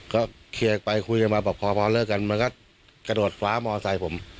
ก็เคลียร์กันไปคุยกันมาบอกพอเลิกกันมันก็กระโดดฟ้ามอไซค์ผม